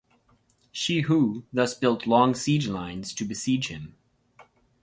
Shi Hu thus built long siege lines to besiege him.